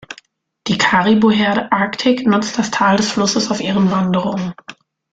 Die Karibu-Herde "Arctic" nutzt das Tal des Flusses auf ihren Wanderungen.